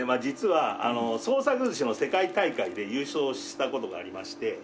実は創作寿司の世界大会で優勝した事がありまして。